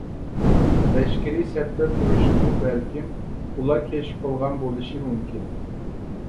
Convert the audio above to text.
لەشكىرى سەپتە تۇرۇشنىمۇ بەلكىم ئۇلار كەشىپ قىلغان بولۇشى مۇمكىن.